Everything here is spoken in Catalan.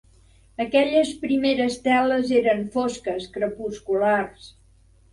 Aquelles primeres teles eren fosques, crepusculars.